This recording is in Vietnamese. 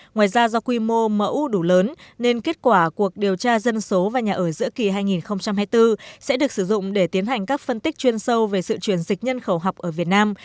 ngoài ra do quy mô mẫu đủ lớn nên kết quả cuộc điều tra dân số và nhà ở giữa kỳ hai nghìn hai mươi bốn sẽ được sử dụng để tiến hành các phân tích chuyên sâu về sự chuyển dịch nhân khẩu học ở việt nam